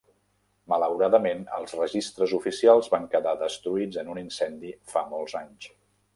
Malauradament, els registres oficials van quedar destruïts en un incendi fa molts anys.